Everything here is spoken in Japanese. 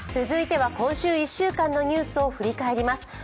続いては今週１週間のニュースを振り返ります。